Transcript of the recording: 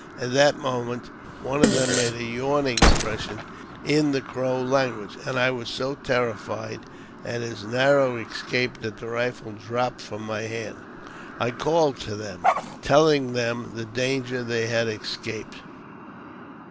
At that moment one of them made a yawning expression? in the Crow language, and I was so terrified at his narrow escape that the rifle dropped from my hand. I called to them, telling them the danger they had escaped.